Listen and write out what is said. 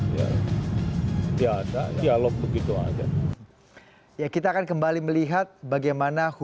ya ada dialog begitu aja